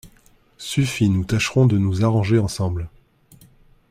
Suffit… nous tâcherons de nous arranger ensemble…